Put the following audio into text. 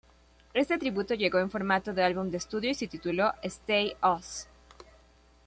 Este tributo llegó en formato de álbum de estudio y se tituló "¡Stay Oz!